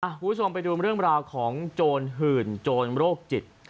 คุณผู้ชมไปดูเรื่องราวของโจรหื่นโจรโรคจิต